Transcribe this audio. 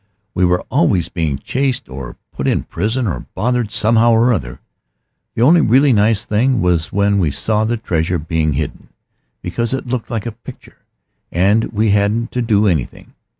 We were always being chased or put in prison or bothered somehow or other. The only really nice thing was when we saw the treasure being hidden, because that looked like a picture and we hadn't to do anything.